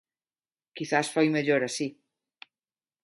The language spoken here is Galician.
Quizais foi mellor así.